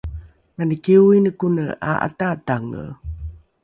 mani kioine kone a’ata’atange